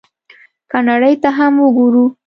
که نړۍ ته هم وګورو،